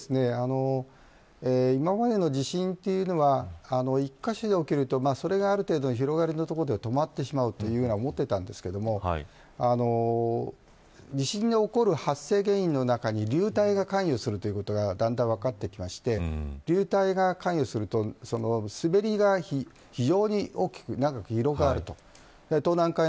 今までの地震は１カ所で起きるとそれがある程度広がって止まってしまうと思っていたんですが地震が起こる発生原因の中に流体が関与するということがだんだん分かってきて流体が関与すると、滑りが非常に大きく長く広がると。